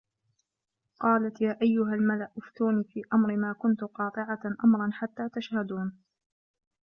قالَت يا أَيُّهَا المَلَأُ أَفتوني في أَمري ما كُنتُ قاطِعَةً أَمرًا حَتّى تَشهَدونِ